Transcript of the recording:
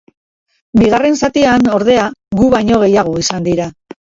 Bigarren zatian, ordea, gu baino gehiago izan dira.